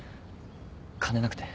金なくて。